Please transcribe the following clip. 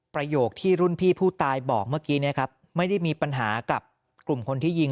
ประโยคที่รุ่นพี่ผู้ตายบอกเมื่อกี้เนี่ยครับไม่ได้มีปัญหากับกลุ่มคนที่ยิง